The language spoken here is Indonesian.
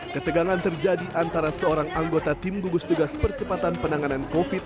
ketegangan terjadi antara seorang anggota tim gugus tugas percepatan penanganan covid sembilan belas